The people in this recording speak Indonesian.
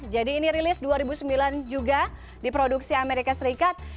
jadi ini rilis dua ribu sembilan juga di produksi amerika serikat